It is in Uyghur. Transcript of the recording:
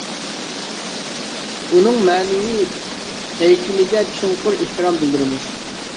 ئۇنىڭ مەنىۋى ھەيكىلىگە چوڭقۇر ئېھتىرام بىلدۈرىمىز.